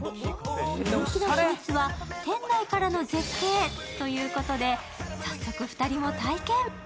人気の秘密は、店内からの絶景ということで、早速、２人も体験。